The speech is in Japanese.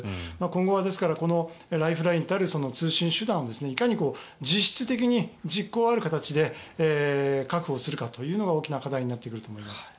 今後はライフラインたる通信手段をいかに実質的に実効ある形で確保するかというのが大きな課題になってくると思います。